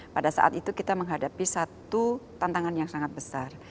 pada saat itu kita menghadapi satu tantangan yang sangat besar